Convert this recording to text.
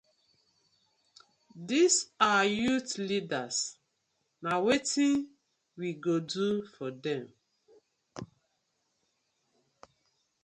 Dis our youth leaders na wetin we go do for dem.